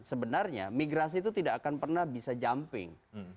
sebenarnya migrasi itu tidak akan pernah bisa jumping